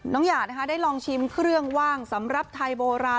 หยาดนะคะได้ลองชิมเครื่องว่างสำหรับไทยโบราณ